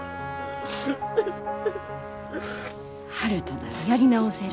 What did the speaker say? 悠人ならやり直せる。